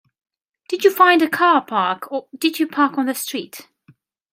Did you find a car park, or did you park on the street?